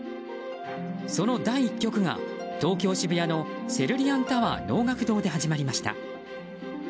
その第１局が東京・渋谷のセルリアンタワー能楽堂で始まりました。